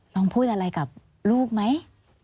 พูดอะไรกับลูกไหม